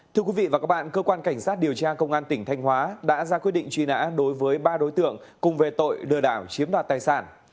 thưa quý vị và các bạn cơ quan cảnh sát điều tra công an tỉnh thanh hóa đã ra quyết định truy nã đối với ba đối tượng cùng về tội lừa đảo chiếm đoạt tài sản